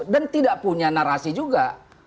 dan tidak punya narasi juga